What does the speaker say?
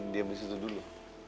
diam di situ dulu